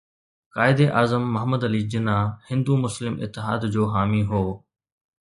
قائداعظم محمد علي جناح هندو مسلم اتحاد جو حامي هو